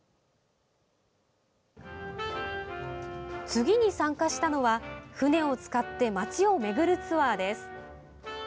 次に参加したのは船を使って街を巡るツアーです。